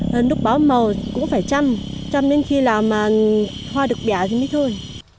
hơn lúc bó màu cũng phải chăm chăm đến khi là hoa được bẻ thì mới thôi